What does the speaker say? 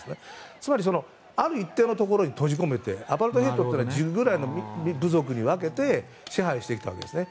つまり、ある一定のところに閉じ込めてアパルトヘイトというのは１０ぐらいの部族に分けて支配してきたわけですね。